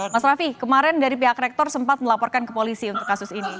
mas raffi kemarin dari pihak rektor sempat melaporkan ke polisi untuk kasus ini